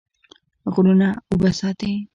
غرونه اوبه ساتي.